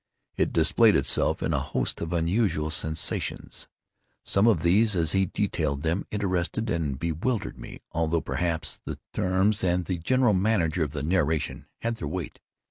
It displayed itself in a host of unnatural sensations. Some of these, as he detailed them, interested and bewildered me; although, perhaps, the terms, and the general manner of the narration had their weight.